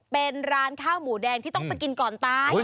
เป็นร้านข้าวหมูแดงที่ต้องไปกินก่อนตาย